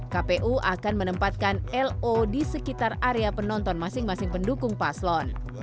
kpu akan menempatkan lo di sekitar area penonton masing masing pendukung paslon